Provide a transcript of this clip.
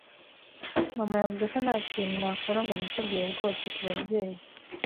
Mama yavuze ko ntakintu nakora ngo nitegure rwose kubabyeyi.